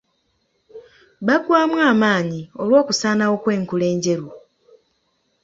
Baggwamu amaanyi olw'okusaanawo kw'enkula enjeru .